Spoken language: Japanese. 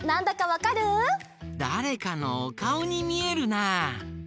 だれかのおかおにみえるな！